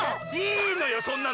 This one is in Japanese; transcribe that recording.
いいのよそんなの！